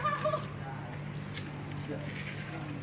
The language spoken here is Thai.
ไม่ต้องแหลกป่ะมั้ง